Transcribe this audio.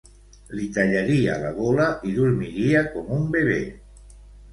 Li tallaria la gola i dormiria com un bebè.